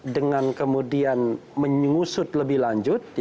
dengan kemudian menyusut lebih lanjut